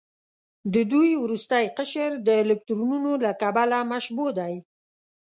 د دوی وروستی قشر د الکترونونو له کبله مشبوع دی.